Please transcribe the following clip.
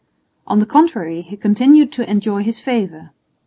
On the contrary, he continued to enjoy his favour.